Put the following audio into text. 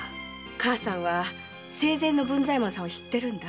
母さんは生前の文左衛門さんを知ってるんだ。